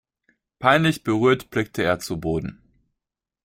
Peinlich berührt blickte er zu Boden.